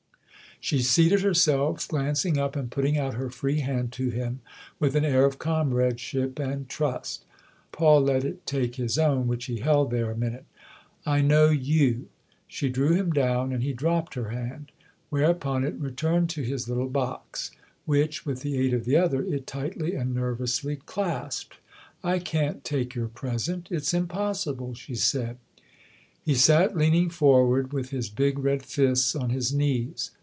She seated herself, glancing up and putting out her free hand to him with an air of comradeship and trust. Paul let it take his own, which he held there a minute. "I know you." She drew him down, and he dropped her hand ; whereupon it returned to his little box, which, with the aid of the other, it tightly and nervously clasped. " I can't take your present. It's impossible," she said. He sat leaning forward with his big red fists on his knees.